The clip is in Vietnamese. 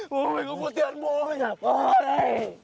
bố mày có vụ tiện bố mày giả vờ đấy